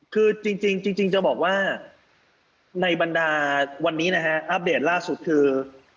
คือจริงจะบอกว่าในบรรดาวันนี้นะฮะอัปเดตล่าสุดคือ